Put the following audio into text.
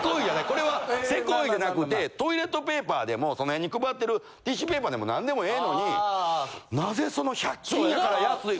これはセコイじゃなくてトイレットペーパーでもその辺に配ってるティッシュペーパーでも何でもええのになぜその１００均やから安い。